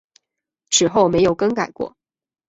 此后没有更改过。